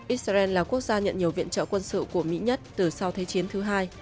israel là quốc gia nhận nhiều viện trợ quân sự của mỹ nhất từ sau thế chiến thứ hai